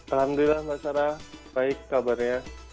alhamdulillah mbak sarah baik kabarnya